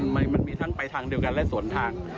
มันมีทั้งไปทางเดียวกันและสวนทาง